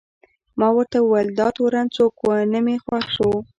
ما ورته وویل: دا تورن څوک و؟ نه مې خوښ شو.